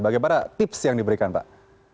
bagaimana tips yang diberikan pak